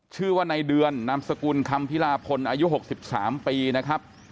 ชื่อว่าในเดือนนามสกุลคำพิลาพลอายุ๖๓ปีนะครับ